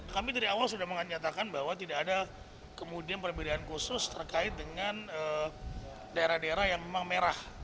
kami dari awal sudah menyatakan bahwa tidak ada kemudian perbedaan khusus terkait dengan daerah daerah yang memang merah